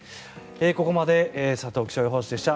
ここまで佐藤気象予報士でした。